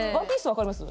分かります？